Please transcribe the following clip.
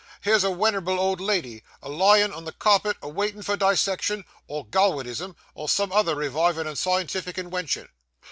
Here's a wenerable old lady a lyin' on the carpet waitin' for dissection, or galwinism, or some other rewivin' and scientific inwention.